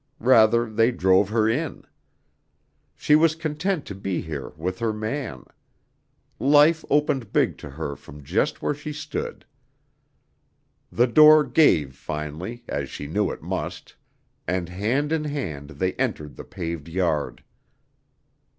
Rather they drove her in. She was content to be here with her man. Life opened big to her from just where she stood. The door gave finally, as she knew it must, and hand in hand they entered the paved yard.